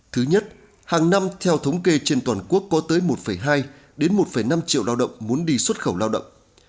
thứ nhất hàng năm theo thống kê trên toàn quốc có tới một hai đến một năm triệu lao động muốn đi xuất khẩu lao động